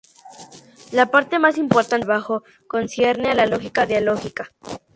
La parte más importante de su trabajo concierne a la lógica dialógica.